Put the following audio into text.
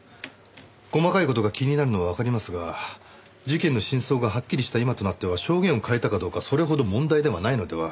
細かい事が気になるのはわかりますが事件の真相がはっきりした今となっては証言を変えたかどうかそれほど問題ではないのでは？